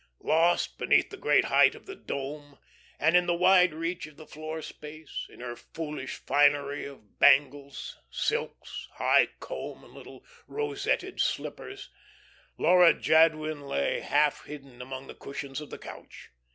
Lost, beneath the great height of the dome, and in the wide reach of the floor space, in her foolish finery of bangles, silks, high comb, and little rosetted slippers, Laura Jadwin lay half hidden among the cushions of the couch.